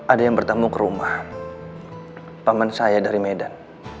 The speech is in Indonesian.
ada yang bertemu ke rumah paman saya dari medan